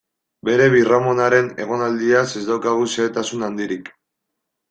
Bere birramonaren egonaldiaz ez daukagu xehetasun handirik.